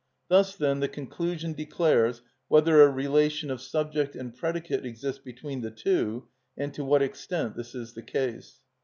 Thus, then, the conclusion declares whether a relation of subject and predicate exists between the two, and to what extent this is the case.